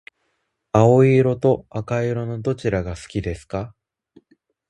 青色と赤色のどちらが好きですか？